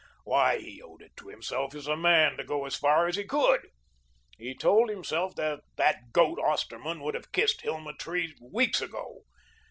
Why, he owed it to himself as a man to go as far as he could. He told himself that that goat Osterman would have kissed Hilma Tree weeks ago.